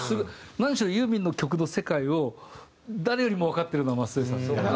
何しろユーミンの曲の世界を誰よりもわかってるのは松任谷さんですから。